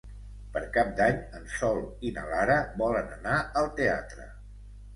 Per Cap d'Any en Sol i na Lara volen anar al teatre.